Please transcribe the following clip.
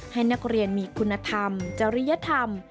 ให้นักเรียนมีคุณธรรมจริยธรรม